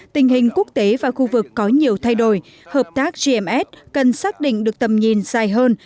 tình hình quốc tế và khu vực có nhiều thay đổi hợp tác gms cần xác định được tầm nhìn dài hơn